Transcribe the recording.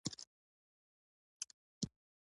کرب هغه ساختمان دی چې سرک له شانو جلا کوي